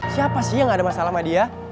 siapa sih yang gak ada masalah sama dia